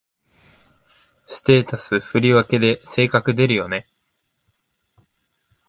ステータス振り分けで性格出るよね